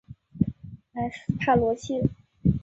莱斯帕罗谢。